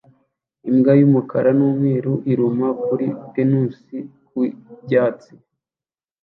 Imbwa y'umukara n'umweru iruma kuri pinusi ku byatsi